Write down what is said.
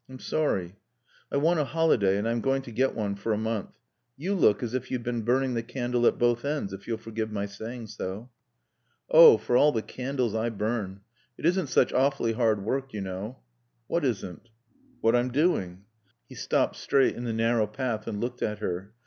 "I'm sorry." "I want a holiday. And I'm going to get one for a month. You look as if you'd been burning the candle at both ends, if you'll forgive my saying so." "Oh for all the candles I burn! It isn't such awfully hard work, you know." "What isn't?" "What I'm doing." He stopped straight in the narrow path and looked at her.